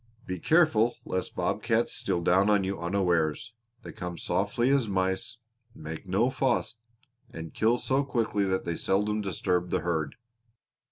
Be careful lest bob cats steal down on you unawares; they come softly as mice, make no fuss, and kill so quickly that they seldom disturb the herd.